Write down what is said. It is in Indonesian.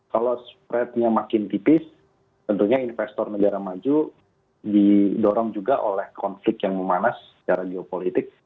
kalau spreadnya makin tipis tentunya investor negara maju didorong juga oleh konflik yang memanas secara geopolitik